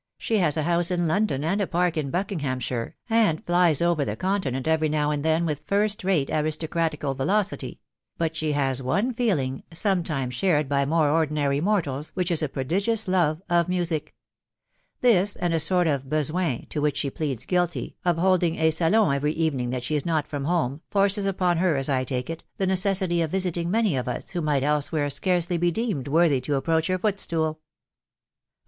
•.. She has a house in London «nd a park in Buckinghamshire, and flies over the Continent every now and then with first rate aristocratical velocity ; hut ahe has one feeling sometimes shared by moreardinary mortals, ^vhieh is a prodigious love of music This, and a sort of betoin, to which she pleads guilty^ of holding a talon every evening that she is not from home, forces upon her, as I take it, the necessity of visiting many of w who might elsewhere scarcely be deemed worthy to approach her foot stooL We, 1 ¥£ 436 »HB WIJ>OW BARKABY.